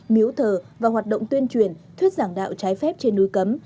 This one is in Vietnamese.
miếu thờ và hoạt động tuyên truyền thuyết giảng đạo trái phép trên núi cấm